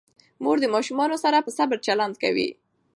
مور د ماشومانو سره په صبر چلند کوي.